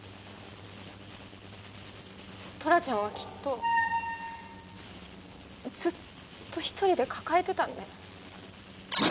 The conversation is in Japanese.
トラちゃんはきっとずっと一人で抱えてたんだよ。